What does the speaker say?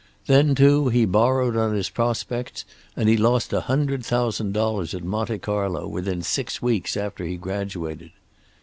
Then, too, he borrowed on his prospects, and he lost a hundred thousand dollars at Monte Carlo within six weeks after he graduated.